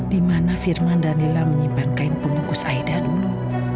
di mana firman danila menyimpan kain pembungkus aida dulu